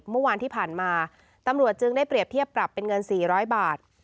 เมื่อวานที่ผ่านมาตำรวจจึงได้เปรียบเทียบปรับเป็นเงิน๔๐๐บาท